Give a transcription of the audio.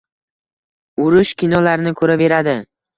Urush kinolarini koʻraveradi.